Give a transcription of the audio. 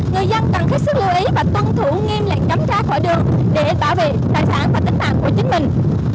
người dân cần hết sức lưu ý và tuân thủ nghiêm lệnh cấm ra khỏi đường để bảo vệ tài sản và tính mạng của chính mình